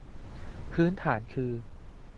พื้นฐานคือ